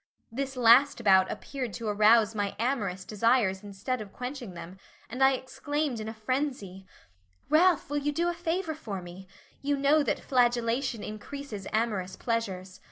This last bout appeared to arouse my amorous desires instead of quenching them, and I exclaimed in a frenzy: "Ralph will you do a favor for me you know that flagellation increases amorous pleasures.